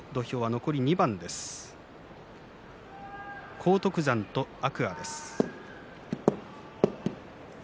荒篤山と天空海です。